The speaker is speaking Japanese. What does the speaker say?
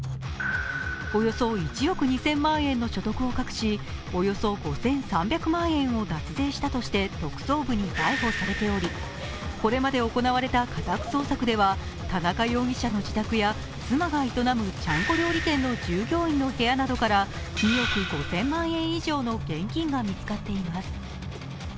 およそ１億２０００万円の所得を隠し、およそ５３００万円を脱税したとして特捜部に逮捕されており、これまで行われた家宅捜索では田中容疑者の自宅や妻が営む、ちゃんこ料理店の従業員の部屋などから２億５０００万円以上の現金が見つかっています。